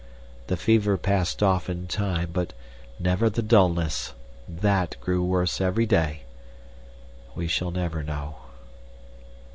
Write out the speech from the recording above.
The fever passed off in time, but never the dullness THAT grew worse every day. We shall never know."